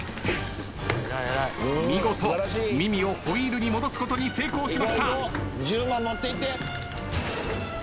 見事ミミをホイールに戻すことに成功しました。